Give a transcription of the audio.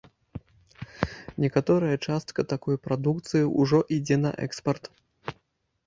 Некаторая частка такой прадукцыі ўжо ідзе на экспарт.